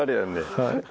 はい。